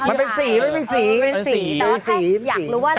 แต่ว่าถ้าอยากรู้ว่ารักตัวปู่อย่างไร